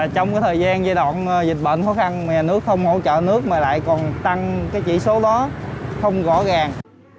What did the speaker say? trong thời gian giai đoạn dịch bệnh khó khăn nhà nước không hỗ trợ nước mà lại còn tăng cái chỉ số đó không rõ ràng